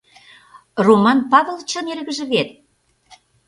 — Роман Павылычын эргыже вет?